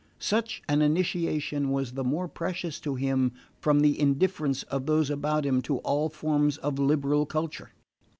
Such an initiation was the more precious to him from the indifference of those about him to all forms of liberal culture.